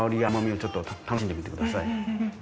ちょっと楽しんでみてください。